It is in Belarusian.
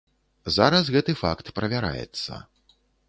Зараз гэты факт правяраецца.